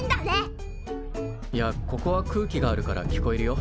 いやここは空気があるから聞こえるよ。